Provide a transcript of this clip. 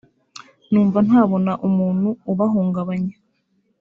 numva ntabona umuntu ubahungabanya